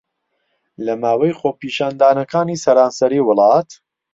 لە ماوەی خۆپیشاندانەکانی سەرانسەری وڵات